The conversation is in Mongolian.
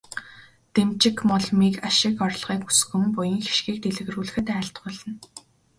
Дэмчигмоломыг ашиг орлогыг өсгөн, буян хишгийг дэлгэрүүлэхэд айлтгуулна.